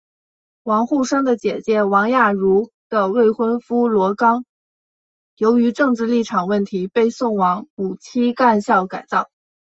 王沪生的姐姐王亚茹的未婚夫罗冈由于政治立场问题被送往五七干校改造。